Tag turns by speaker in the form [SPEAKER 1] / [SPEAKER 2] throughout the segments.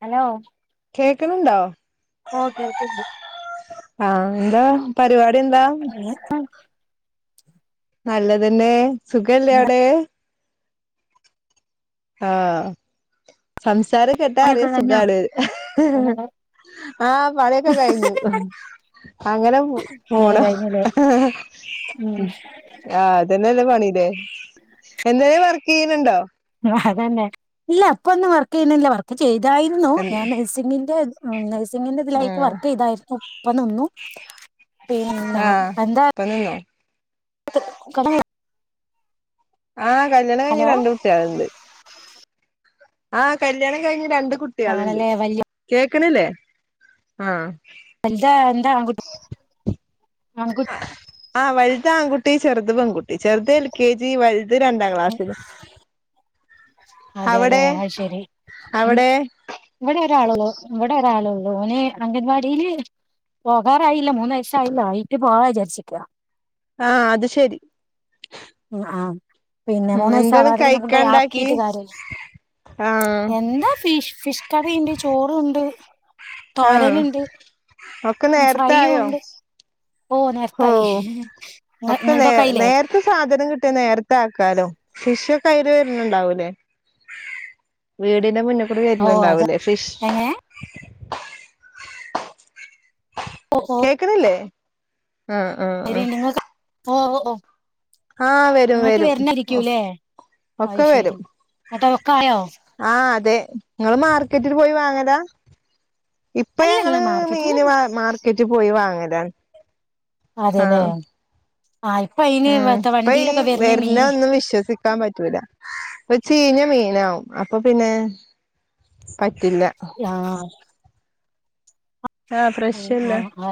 [SPEAKER 1] Hello
[SPEAKER 2] കേക്ക്ണുണ്ടോ
[SPEAKER 1] ഓ കേൾക്ക്ണ്ട്
[SPEAKER 2] ആ എന്താ പരിവാ
[SPEAKER 1] [unintelligible]
[SPEAKER 2] നല്ലതന്നെ സുഖല്ലേ
[SPEAKER 1] എന്താ
[SPEAKER 2] അവടെ ആ സംസാരം കേട്ടാ
[SPEAKER 1] പണിയൊക്കെ
[SPEAKER 2] അറിയാം
[SPEAKER 1] കഴിഞ്ഞോ
[SPEAKER 2] സുഖാണ് ആ പണിയൊക്കെ കഴിഞ്ഞു അങ്ങനെ
[SPEAKER 1] പണിയൊക്കെ
[SPEAKER 2] പോണു
[SPEAKER 1] കഴിഞ്ഞില്ലേ ഉം
[SPEAKER 2] ആ അതന്നെല്ല പണില്ലേ എന്തേലും വർക്കിയ്യ്ണ് ണ്ടോ
[SPEAKER 1] അത് തന്നെ ഇല്ല ഇപ്പൊന്നും വർക്ക് ചെയ്യ്ന്നില്ല വർക്ക് ചെയ്തായ്ര്ന്നു ഞാൻ നഴ്സിംഗിന്റെ സിങ്ങിന്റെ ഇതിലായിട്ട്
[SPEAKER 2] ഉം
[SPEAKER 1] വർക്ക് ചെയ്താരുന്നു ഇപ്പ നിന്നു പിന്നെ
[SPEAKER 2] ആഹ്
[SPEAKER 1] എന്താ
[SPEAKER 2] ഇപ്പ നിന്നോ
[SPEAKER 1] [unintelligible]
[SPEAKER 2] ആ കല്യാണം കഴിഞ്ഞ്
[SPEAKER 1] ഹലോ
[SPEAKER 2] രണ്ട് കുട്ടികള്ണ്ട് ആ കല്യാണം കഴിഞ്ഞ് രണ്ട് കുട്ടികള്ണ്ട്
[SPEAKER 1] ആണല്ലേ വല്യ
[SPEAKER 2] കേക്ക്ണില്ലേ
[SPEAKER 1] ണ്ട് ആൺകു
[SPEAKER 2] ആ ആ വല്ത് ആൺകുട്ടി ചെറുത് പെൺകുട്ടി ചെറുത് എൽ കെ ജി വല് ത് രണ്ടാം ക്ലാസ്സില്
[SPEAKER 1] അതെല്ലെ
[SPEAKER 2] അവിടെ
[SPEAKER 1] ആയ് ശെരി ഉം
[SPEAKER 2] അവിടെ
[SPEAKER 1] ഇവടെ ഒരാളേള്ളു ഇവടെ ഒരാളേള്ളു ഓന് അംഗൻവാടില് പോകാറായില്ല മൂന്ന് വൈയ്സ് ആയില്ല ആയിട്ട് പോവാ വിചാരിക്ക്കാ
[SPEAKER 2] ആാ അത് ശെരി
[SPEAKER 1] ഉംആ പിന്നെ മൂന്ന് വയസാവാതെ പിന്നെ കൊണ്ടോയി
[SPEAKER 2] കഴിക്കാണ്ടാക്കി
[SPEAKER 1] ആക്കീട്ട് കാര്യല്ലാ
[SPEAKER 2] ആഹ്
[SPEAKER 1] എന്താ ഫിഷ് ഫിഷ് കറി
[SPEAKER 2] ആ ഒക്കെ നേരാത്തെ
[SPEAKER 1] ഫ്രൈയും
[SPEAKER 2] ആയോ
[SPEAKER 1] ഉണ്ട്
[SPEAKER 2] ഓ
[SPEAKER 1] ഇങ്ങ
[SPEAKER 2] ഒക്കെ നേ
[SPEAKER 1] ഇങ്ങൾതൊക്കെ ആയില്ലേ
[SPEAKER 2] നേരാത്തെ സാധനം കിട്ട് നേരത്തെ ആക്കാലോ ഫി വീടിന്റെ മുന്നേ കൂടി
[SPEAKER 1] ഓ അതെ
[SPEAKER 2] വെര്ന്നുണ്ടാവൂല്ലോ ഫിഷ്
[SPEAKER 1] എങ്ങനെ
[SPEAKER 2] കേക്കാണില്ലേ ആ ആ ആ
[SPEAKER 1] ശരിണ്ട് ഇങ്ങക്ക് ഓ ഓ നിങ്ങക്ക്
[SPEAKER 2] വരും
[SPEAKER 1] വെര്ന്നരിക്ക്ല്ലേ ആയ് ശെരി എന്നട്ടിട്ടേ
[SPEAKER 2] ആാ അതെ നിങ്ങള് മാർക്കറ്റില് പോയി വാങ്ങാലാ ഇപ്പം
[SPEAKER 1] അല്ലല്ല
[SPEAKER 2] ഞങ്ങള്
[SPEAKER 1] മാർക്കറ്റില്
[SPEAKER 2] മീന് മാ മാർക്കറ്റി പോയി വാങ്ങലാ
[SPEAKER 1] അതെ അല്ലേ
[SPEAKER 2] ഉം ഇപ്പോ ഈ
[SPEAKER 1] മീ
[SPEAKER 2] വെര്ന്നെ ഒന്നും വിശ്വസിക്കാൻ പറ്റൂല്ലാ ഇപ്പം ചീഞ്ഞ മീനാവും അപ്പം പിന്നെ പറ്റ്
[SPEAKER 1] ആാ
[SPEAKER 2] ആഹ്
[SPEAKER 1] ഉം
[SPEAKER 2] ഫ്രഷല്ല
[SPEAKER 1] ആ ആ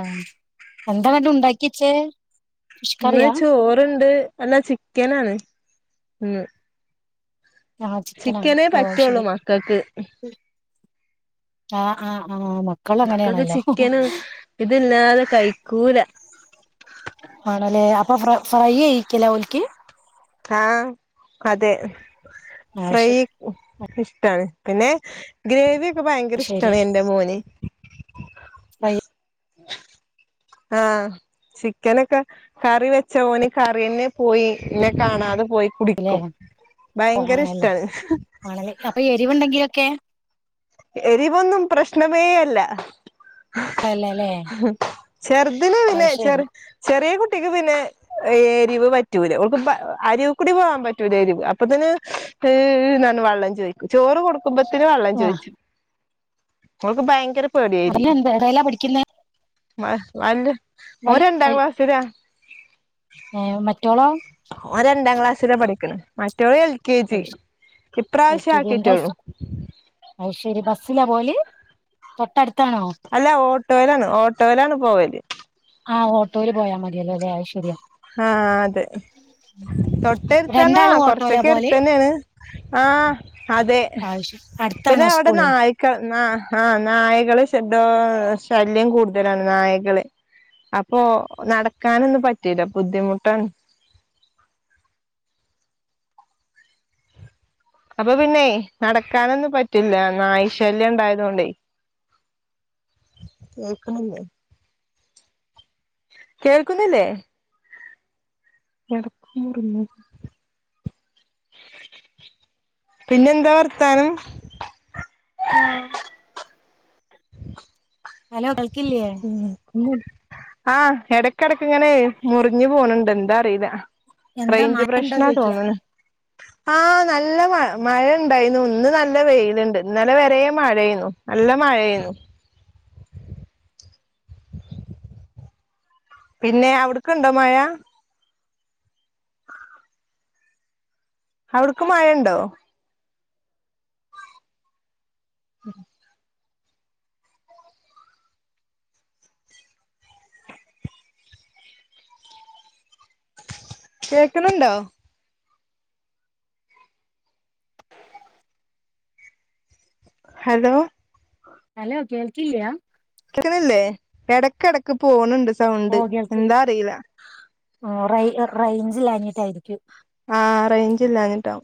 [SPEAKER 1] എന്താ പിന്നെ ഉണ്ടാക്കിച്ചേ ഫിഷ്
[SPEAKER 2] ഇന്ന്
[SPEAKER 1] കറിയാ
[SPEAKER 2] ചോറൊണ്ട് അല്ലാ ചിക്കനാണ് ഇന്ന്
[SPEAKER 1] ആ ചിക്കനാ
[SPEAKER 2] ചിക്കനേ
[SPEAKER 1] ഓ അയ്
[SPEAKER 2] പറ്റൊള്ളു
[SPEAKER 1] ശരി
[SPEAKER 2] മക്കാക്ക്
[SPEAKER 1] ആഹ് ആഹ് ആഹ് മക്കള്
[SPEAKER 2] മക്കാക്ക്
[SPEAKER 1] അങ്ങനെയാണല്ലോ
[SPEAKER 2] ചിക്കന് ഇതില്ലാതെ കഴി കൂലാ
[SPEAKER 1] ആണല്ലേ അപ്പൊ ഫൈയ് ഫൈയായിക്കല്ലോ ഓലിക്ക്
[SPEAKER 2] ആഹ് അതെ
[SPEAKER 1] ആാ
[SPEAKER 2] ഫ്രൈ
[SPEAKER 1] ശെ
[SPEAKER 2] ഇഷ്ടാണ് പിന്നെ ഗ്രേവിയെക്കെ ഭയങ്കര
[SPEAKER 1] ശരി
[SPEAKER 2] ഇഷ്ടാണ് എൻ്റെ മോന്
[SPEAKER 1] [unintelligible]
[SPEAKER 2] ആഹ ചിക്കനൊക്കെ കറി വെച്ച ഓന് കറിന്നെ പോയി ഇന്നെ കാണാത പോയി
[SPEAKER 1] ല്ലേ
[SPEAKER 2] കുടിക്കും
[SPEAKER 1] ഓ
[SPEAKER 2] ഭയങ്കര
[SPEAKER 1] ആണല്ലേ
[SPEAKER 2] ഇഷ്ടാണ്
[SPEAKER 1] ആണല്ലേ അപ്പൊ എരിവുണ്ടെങ്കിലൊക്കെ
[SPEAKER 2] എരിവൊന്നും പ്രശ്നവേയല്ല
[SPEAKER 1] അല്ലല്ലേ
[SPEAKER 2] ചെറുതിൽ
[SPEAKER 1] അത്
[SPEAKER 2] പിന്നെ
[SPEAKER 1] ശരി
[SPEAKER 2] ചെറി ചെറിയ കു കുട്ടിക് പിന്നെ എരിവ് പറ്റൂല ഓക്ക് പ അരിവി കൂടി പോവാൻ പറ്റൂല എരിവ് അപ്പതന്നെ ഇഇഹ് ന് പറഞ്ഞ് വെള്ളം ചോദിക്കും ചോറ് കൊടുക്കുമ്പത്തിന് വെള്ളം
[SPEAKER 1] ആഹ്
[SPEAKER 2] ചോയിച്ച് ഓക്ക് ഭയങ്കര
[SPEAKER 1] അല്ല എന്താ എതെല്ലാ പഠിക്കുന്നേ
[SPEAKER 2] വ വാലിട് ഓൻ
[SPEAKER 1] വൽ
[SPEAKER 2] രണ്ടാം
[SPEAKER 1] വൽ
[SPEAKER 2] ക്ലാസിലാ
[SPEAKER 1] ഏഹ് മറ്റോളോ
[SPEAKER 2] രണ്ടാം ക്ലാസ്സിലാ പഠിക്കണേ മറ്റവൾ എൽ കെ ജി
[SPEAKER 1] അത് ശ- എൽ
[SPEAKER 2] ഇപ്രാവശ്യം
[SPEAKER 1] കെ ജി എന്താ
[SPEAKER 2] ആക്കിട്ടോളൂ
[SPEAKER 1] സ്- അത് ശരി ബസ്സിലാ പോവല് തൊട്ടടു
[SPEAKER 2] അല്ല ഓട്ടോയിലാണ് ഓട്ടോയിലാണ് പോവൽ
[SPEAKER 1] ആ ഓട്ടോയിൽ പോയാൽ മതിയലോലേ അത് ശരിയാ
[SPEAKER 2] ആഹ അതെ
[SPEAKER 1] ഉം.
[SPEAKER 2] തൊട്ട് അടുത്ത് തന്നെ
[SPEAKER 1] രണ്ടാളും ഓട്ടോയിലാ
[SPEAKER 2] കൊറച്ചൊക്കെ അടുത്ത്
[SPEAKER 1] പോവല്
[SPEAKER 2] തന്നെയാണ് ആഹ അതെ
[SPEAKER 1] അത് ശരി
[SPEAKER 2] പിന്നെ
[SPEAKER 1] അടുത്താണോ
[SPEAKER 2] അവിടെ
[SPEAKER 1] സ്കൂള്
[SPEAKER 2] നായക്ക [unintelligible] ആഹ നായകള് ട്ടോ ശല്യം കൂടുതലാണ് നായകള് അപ്പോ നടക്കാനൊന്നും പറ്റീല്ല ബുദ്ധിമുട്ടാണ് അപ്പൊ പിന്നെ നടക്കാനൊന്നും പറ്റില്ല നായ ശല്യം ഉണ്ടായതുകൊണ്ടേ കേക്കണില്ല കേൾക്കുന്നില്ലേ എടക്ക് മുറിഞ്ഞ പിന്നെന്താ വർത്താനം
[SPEAKER 1] ഹലോ
[SPEAKER 2] [unintelligible]
[SPEAKER 1] ഹലോ കൽക്കില്ലേ
[SPEAKER 2] ആഹ ഇടക്കടക്ക ഇങ്ങനെ മുറിഞ്ഞു പോണണ്ട് എന്താ അറീല
[SPEAKER 1] എന്താ
[SPEAKER 2] റേഞ്ച്
[SPEAKER 1] മഴ ഉണ്ടോ
[SPEAKER 2] പ്രശ്നാ
[SPEAKER 1] ചോദിക്കാ
[SPEAKER 2] തോന്നണ് ആ നല്ല മ മഴ ഉണ്ടായിരുന്നു ഇന്ന് നല്ല വെയിലുണ്ട് ഇന്നലെ വെരേയും മഴയെന്നു നല്ല മഴയാ [unintelligible] പിന്നെ അവിടക്കുണ്ടോ മഴ അവിടക്ക് മഴയുണ്ടോ [inaudible] കേക്കണുണ്ടോ ഹലോ
[SPEAKER 1] ഹലോ കേൽകില്യാ
[SPEAKER 2] [unintelligible] ല്ലേ ഇടക്ക് ഇടക്ക് പോണുണ്ട്
[SPEAKER 1] ഓ
[SPEAKER 2] സൗണ്ട്
[SPEAKER 1] കേൾക്ക്
[SPEAKER 2] എന്താറിയില്ലാ
[SPEAKER 1] റേ റേഞ്ചില്ലാഞ്ഞിട്ടായിരിക്കും
[SPEAKER 2] ആഹ് റേഞ്ചില്ലാഞ്ഞിട്ടാവും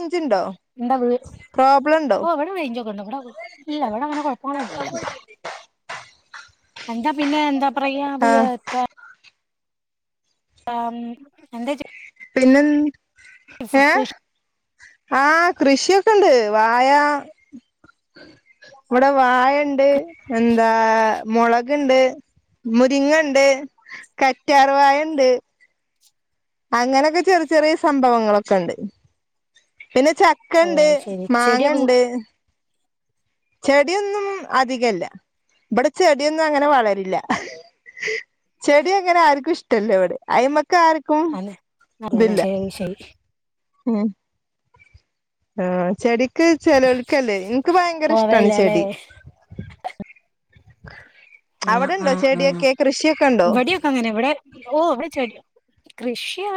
[SPEAKER 2] റേഞ്ച് ഉണ്ടോ
[SPEAKER 1] എന്താ വീ ഓ ഇവിടെ റേഞ്ച് ഒക്കെ ഉണ്ട് ഇവിടെ ഇല്ല ഇവിടെ അങ്ങനെ കുഴപ്പങ്ങളൊന്നുമില്ല എന്താ പിന്നെ എന്താ പറയാ
[SPEAKER 2] ആഹ്
[SPEAKER 1] [unintelligible] ആം എന്താ
[SPEAKER 2] പിന്നം
[SPEAKER 1] ഫ കൃശ്
[SPEAKER 2] ആഹ കൃഷിയൊക്കെയുണ്ട് വായ ഇവിടെ വാ ഉണ്ട് എന്താ മുളകുണ്ട് മുരിങ്ങുണ്ട് കറ്റാർവാായ ഉണ്ട് അങ്ങനൊക്കെ ചെറിയ ചെറിയ സംഭവങ്ങളൊക്കെ ഉണ്ട് പിന്നെ ചക്ക
[SPEAKER 1] ഓ
[SPEAKER 2] ഉണ്ട്
[SPEAKER 1] അത് ശരി
[SPEAKER 2] മാങ്ങ
[SPEAKER 1] ചെടിയൊക്കെ
[SPEAKER 2] ഉണ്ട് ചെടിയൊന്നും അധികല്ല ഇവിടെ ചെടിയൊന്നും അങ്ങനെ വളരില്ല ചെടി അങ്ങനെ ആർക്കും ഇഷ്ടല്ലേ എവിടെ അയി്മ ക്ക ആർക്കും
[SPEAKER 1] അതെ അതെല്ലേ
[SPEAKER 2] ഇതില്ല
[SPEAKER 1] ശരി ശരി
[SPEAKER 2] ഉ ആഹ ചെടിക്ക് ചെിലവൾക്കല്ലേ എനിക്ക് ഭയങ്കര ഇഷ്ടമാണ്
[SPEAKER 1] പോവേല്ലല്ലേ
[SPEAKER 2] ചെടി [unintelligible]
[SPEAKER 1] ആഹ
[SPEAKER 2] അവിടെണ്ടോ
[SPEAKER 1] ആഹ ആഹ
[SPEAKER 2] ചെടിയൊക്കെ കൃഷിയൊക്കെ ഉണ്ടോ
[SPEAKER 1] വടിയോ കങ്ങന ഓ ച കൃഷ്യന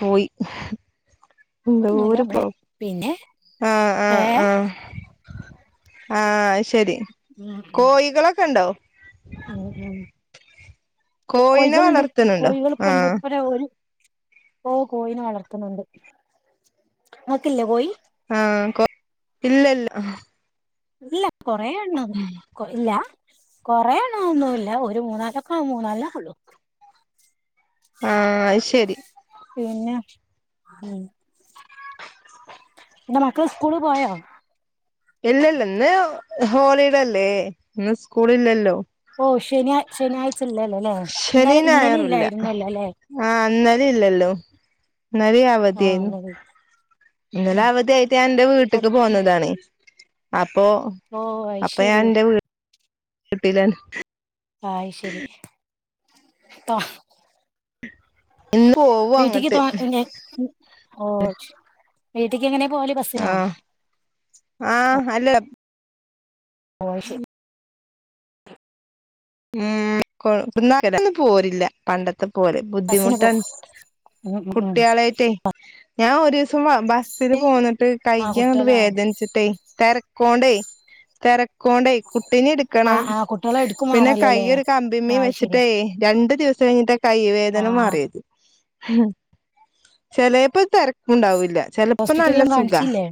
[SPEAKER 2] പോയി എന്തോ
[SPEAKER 1] ഒന്നുല്ല ഇവിടെ
[SPEAKER 2] പ്രോ
[SPEAKER 1] പിന്നെ
[SPEAKER 2] ആഹ ആഹ
[SPEAKER 1] ഏ
[SPEAKER 2] ആഹ ആഹ ശരി
[SPEAKER 1] ഉം
[SPEAKER 2] കോഴികളൊക്കെ ഉണ്ടോ
[SPEAKER 1] ഉം ഉം ഉം
[SPEAKER 2] കോഴിനെ
[SPEAKER 1] കോഴികളുണ്ട്
[SPEAKER 2] വളർത്തുന്നുണ്ടോ
[SPEAKER 1] കോഴികളൊക്കെ ഇണ്ട്
[SPEAKER 2] ആഹ്
[SPEAKER 1] ഇപ്പഴ ഒരു ഓ കോഴിനെ വളർത്തുന്നുണ്ട് നക്കില്ലേ കോയി
[SPEAKER 2] ആഹ ഇല്ല ഇല്ല
[SPEAKER 1] ഇല്ല കൊറേണ് ഇല്ല കൊറണ ഒന്നുമല്ല ഒരു മൂന്നാലൊക്കെ മൂന്നാല ഉള്ളു
[SPEAKER 2] ആഹ ശരി
[SPEAKER 1] പിന്നെ
[SPEAKER 2] [unintelligible]
[SPEAKER 1] ന്താ മക്കൾ സ്കൂള് പോയോ
[SPEAKER 2] ഇല്ലല്ല ഇന്ന് ഹോളില്ലേ ഇന്ന് സ്കൂള ഇല്ലല്ലോ
[SPEAKER 1] ഓ ശന ശനിയാഴ്ച ഇല്ലല്ലോ അല്ലേ
[SPEAKER 2] ശനി
[SPEAKER 1] ഇന്നലെ ഇന്നലെ ഇല്ലായിുന്നല്ലോ അല്ലെ
[SPEAKER 2] അല്ലല്ലോ നറ
[SPEAKER 1] ആഹ്
[SPEAKER 2] അവവധായിരുന്നു
[SPEAKER 1] ഇന്നലെ
[SPEAKER 2] ഇന്നലെ
[SPEAKER 1] ഉം
[SPEAKER 2] അവധിയ ആായിട്ട് ഞ എൻറെ വീട്ടക്ക് പോകുന്നതാണ് അപ്പൊ
[SPEAKER 1] ഓ
[SPEAKER 2] അപ്പൊ ഞാൻ
[SPEAKER 1] അയ്ശരി
[SPEAKER 2] എന്റെട്ട
[SPEAKER 1] ആ ശരിപ്പ
[SPEAKER 2] ഇന്ന് പോവും
[SPEAKER 1] വീട്ടിക്ക്
[SPEAKER 2] അങ്ങട്ട്
[SPEAKER 1] തോ ഓ വീട്ടക്ക് എങ്ങനെ പോവല് ബസ്സിനോ
[SPEAKER 2] ആഹ ആഹ് അല്ല
[SPEAKER 1] ഓ ശരി
[SPEAKER 2] ഉ കൊ ഒും പോരില്ല പണ്ടത്തെ ഇത്തെ പോലെ
[SPEAKER 1] ബസ്സിന് പോ
[SPEAKER 2] ബുദ്ധിമുട്ടൻ
[SPEAKER 1] ഉം ഉം ഉം
[SPEAKER 2] കുട്ടികളായിട്ടേ ഞാൻ ഒരു ദിവസം അവസ്ഥൽ പോന്നിട്ട് കൈ
[SPEAKER 1] ആ
[SPEAKER 2] അങ്ങോട്ട്
[SPEAKER 1] കുട്ടികളെ
[SPEAKER 2] വേദനിച്ചിട്ടേ തിരക്കോണ്ടേ തിരക്കോണ്ടേ കുട്ടിന
[SPEAKER 1] ആ
[SPEAKER 2] എടുക്കണം
[SPEAKER 1] ആ കുട്ടികളെ എടുക്കും
[SPEAKER 2] പിന്നെ
[SPEAKER 1] വേണല്ലോല്ലേ
[SPEAKER 2] കൈ്യൊ ഒരു കമ്പിമ്മീ
[SPEAKER 1] ആ അത് ശരിയാ
[SPEAKER 2] വെച്ചിട്ടേ രണ്ടു ദിവസം കഴിഞ്ഞിട്ട് കൈ
[SPEAKER 1] ആ
[SPEAKER 2] വേദന മാറിയത് ചിലപ്പോ തിരക്കുണ്ടാവൂില്ല
[SPEAKER 1] ഹോസ്പിറ്റലും കാണിച്ചില്ലേ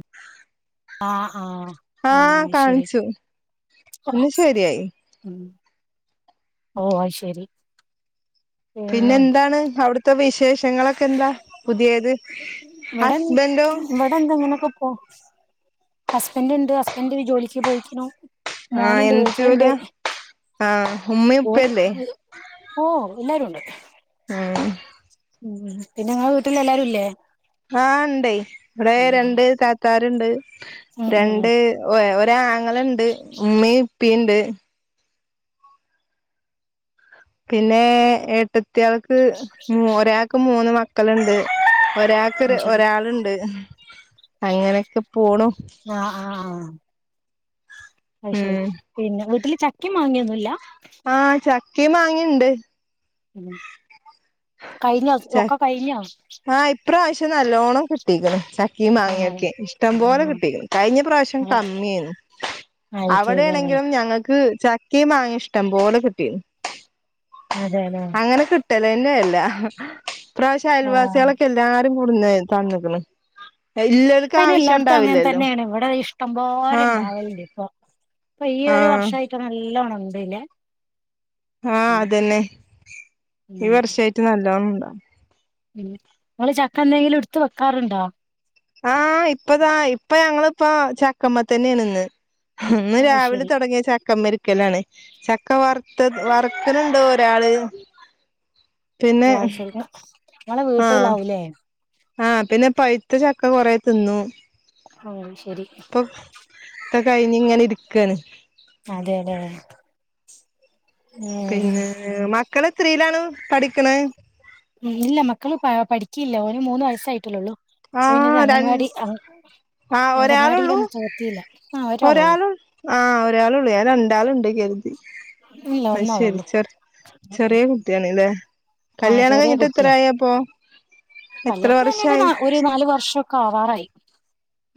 [SPEAKER 1] ആഹ ആഹ
[SPEAKER 2] ആഹ്
[SPEAKER 1] ആഹ ശരി
[SPEAKER 2] കാണിച്ചു പിന്നെ ശരിയായി
[SPEAKER 1] ഉ ഓ ശരി
[SPEAKER 2] പിന്നെ എന്താണ് അവിടുത്തെ വിശേഷങ്ങളൊക്കെ എന്താ പുതിയത്
[SPEAKER 1] വിട
[SPEAKER 2] ഹസ്ബൻഡോ
[SPEAKER 1] വിടന്തങ്ങനക്ക പോ ഹസ്ബൻറ് ഉണ്ട് ഹസ്ബൻഡ ജോലിക്ക് പോയിക്കണോ
[SPEAKER 2] ആഹ്
[SPEAKER 1] മോനണ്ട്
[SPEAKER 2] എന്ത്
[SPEAKER 1] വീട്ടിൽണ്ട്
[SPEAKER 2] ജോലിയാ ആഹ് ഉമ്മയും
[SPEAKER 1] ര്
[SPEAKER 2] ഉപ്പയല്ലേ
[SPEAKER 1] ഓ എല്ലാരും ഉണ്ട്
[SPEAKER 2] ഉം
[SPEAKER 1] ഉം പിന്നെ ങ്ങളെ വീട്ടിൽ എല്ലാരും ഇല്ലേ
[SPEAKER 2] ആഹ് ഉണ്ടേ ഇവിടെ രണ്ട് താത്താരുണ്ട്
[SPEAKER 1] ഉം ഉം ഉം
[SPEAKER 2] രണ്ട് ഇ ആങ്ങളുണ്ട് ഉമ്മയും ഉപ്പിണ്ട് പിന്നെ എഏട്ടത്തിയാൾക്ക് ഒരാരാൾക്ക് മൂന്ന് മക്കളുണ്ട് ഒരാൾക്കർ
[SPEAKER 1] അത് ശരി
[SPEAKER 2] ഒരാളുണ്ട് അങ്ങനെയൊക്കെ പോണു
[SPEAKER 1] ആഹ് ആഹ് ആഹ് അത് ശരി
[SPEAKER 2] ഉം
[SPEAKER 1] പിന്നെ വീട്ടില് ചക്കിം മാ ങ്ങിംയൊന്നുല്ല.
[SPEAKER 2] ആ ചക്കിം മാങ്ങിംണ്ട്.
[SPEAKER 1] ഉ കഴിഞ്ഞോസ് ഒക്കെ കഴിഞ്ഞോ.
[SPEAKER 2] ആ ഇപ്രാവശ്യം നല്ലോണം കിട്ടീക് ണ് ച ചക്കിം
[SPEAKER 1] ആണോ
[SPEAKER 2] മാങ്ങൊക്കെ ഇഷ്ടം പോലെ
[SPEAKER 1] ആഹ്
[SPEAKER 2] കിട്ടീക്ണ് കഴിഞ്ഞ പ്രാവശ്യം കമ്മിഏർന്ന്. അവടെ
[SPEAKER 1] അയക്കൂലല്ലേ
[SPEAKER 2] ആണെങ്കിലും ഞങ്ങക്ക്. ചക്കിം മാങ്ങിം ഇഷ്ടം പോലെ കിട്ടീക്ണ്
[SPEAKER 1] അതെല്ലേ
[SPEAKER 2] അങ്ങനെ കിട്ടലല്ലെ ഇല്ല ഇപ്രാവശ്യം
[SPEAKER 1] ആഹ്
[SPEAKER 2] അയൽവാസിയെ ളൊക്കെ എല്ലാരും കൊടുന്ന് തന്ന്ക്ക്ണ്. ഇല്ലോൽക്ക്
[SPEAKER 1] ഇപ്പൊ അയിന്
[SPEAKER 2] ആവശ്യം
[SPEAKER 1] എല്ലാടത്തും അങ്ങനെ
[SPEAKER 2] ഉണ്ടാവില്ലല്ലോ
[SPEAKER 1] തന്നെയാണ് ഇവിടെ ഇഷ്ടംപോലെ
[SPEAKER 2] ആഹ്
[SPEAKER 1] ഇണ്ടാവലണ്ട് ഇപ്പൊ. ഇപ്പൊ ഈ ഒരു
[SPEAKER 2] ആഹ്
[SPEAKER 1] വർഷായിട്ട് നല്ലോണണ്ട്ല്ലെ.
[SPEAKER 2] ആ അതന്നെ
[SPEAKER 1] ഉം
[SPEAKER 2] ഈ വർഷായിട്ട് നല്ലോണം ഇണ്ട്.
[SPEAKER 1] ഉം ങ്ങള് ചക്ക എന്തെങ്കിലും എടുത്ത് വെക്കാറുണ്ടോ?
[SPEAKER 2] ആ ഇപ്പതാ ഇപ്പൊ ഞങ്ങള് ഇപ്പൊ ചക്കമ്മതന്നെയാണ് ഇന്ന്. ഇന്ന്
[SPEAKER 1] അത്
[SPEAKER 2] രാവിലെ
[SPEAKER 1] ശരി
[SPEAKER 2] തുടങ്ങിയ ചക്കമരി ചക്കലാണ് ചക്ക വറുത്ത് വറക്ക്ണ്ട് ഒരാള്. പിന്നെ
[SPEAKER 1] ആ ശെരി ഇങ്ങളെ വീട്ടീളളാവൂലേ?
[SPEAKER 2] ആ പിന്നെ പഴുത്ത ചക്ക കൊറേ തിന്നു.
[SPEAKER 1] ആ ശെരി.
[SPEAKER 2] ഇപ്പൊ ഒക്കെ കഴിഞ്ഞിങ്ങനെ ഇരിക്കാണ്.
[SPEAKER 1] അതെ ലേ
[SPEAKER 2] പിന്നെ മക്കള്എത്രീയിലാണ് പഠിക്ക്ണെ?
[SPEAKER 1] ഉം ഇല്ല മക്കള് പ പഠിക്കില്ല ഓന് മൂന്ന് വയസായിട്ട്ല്ലള്ളു.
[SPEAKER 2] ആഹ്
[SPEAKER 1] [unintelligible]
[SPEAKER 2] ര
[SPEAKER 1] അംഗൻവാടി അൻ
[SPEAKER 2] ആഹ് ഒരാള് ഉള്ളൂ,
[SPEAKER 1] ഒരാളൊള്ളൂ
[SPEAKER 2] ഒരാള് ആഹ് ഒരാള് ഉള്ളൂ ഏതാണ്. രാള്ണ്ട് കെര്തി
[SPEAKER 1] ഇല്ല
[SPEAKER 2] അയ് ശെരി
[SPEAKER 1] ഒന്നോളൊള്ളൂ
[SPEAKER 2] ചെർ ചെറെ കുട്ടിയാണ് ല്ലെ
[SPEAKER 1] ആ
[SPEAKER 2] കല്യാണം
[SPEAKER 1] ചെറിയ
[SPEAKER 2] കഴിഞ്ട്ട്
[SPEAKER 1] കുട്ടിയാ
[SPEAKER 2] എത്രായപ്പൊ?
[SPEAKER 1] കല്യാണം കഴിഞ്ഞിട്ട് ന ഒര് നാല് വർഷൊക്കെ ആവാറായി.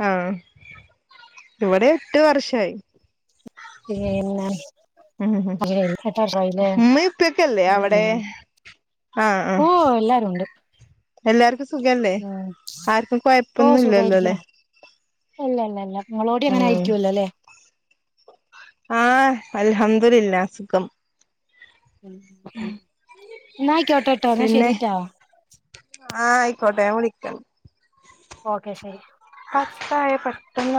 [SPEAKER 2] ആഹ് ഇവിടെ എട്ട് വർഷായി.
[SPEAKER 1] [unintelligible]
[SPEAKER 2] ഉം
[SPEAKER 1] അത് ശെരി എട്ട് വർഷായില്ലേ.
[SPEAKER 2] ഉമ്മേം ഉപ്പേക്കല്ലേ അവിടെ ആഹ്
[SPEAKER 1] ഓ
[SPEAKER 2] ആഹ്
[SPEAKER 1] എല്ലാരും ഉണ്ട്
[SPEAKER 2] എല്ലാർക്കും സുഖല്ലേ
[SPEAKER 1] ഉം
[SPEAKER 2] ആർക്കും കൊഴ്പ്പൊന്നുംല്ലല്ലോല്ലെ.
[SPEAKER 1] ഇല്ല ഇല്ല ഇല്ല നിങ്ങളോടിം അങ്ങനെ ആയിരിക്കുവല്ലോ ല്ലേ
[SPEAKER 2] ആഹ് അൽഹംദുലില്ലാഹ് സുഖം.
[SPEAKER 1] ന്നാ ആയ്ക്കോട്ടട്ടൊ എന്നാ
[SPEAKER 2] പിന്നെ
[SPEAKER 1] ശെരിട്ടോ.
[SPEAKER 2] കോട്ടെ ഞാൻ വിളിക്ക
[SPEAKER 1] ഓക്കെ ശെരി
[SPEAKER 2] പത്തായ പെട്ടെന്ന്